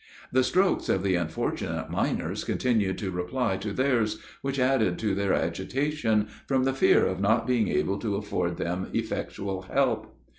The strokes of the unfortunate miners continued to reply to theirs, which added to their agitation, from the fear of not being able to afford them effectual help.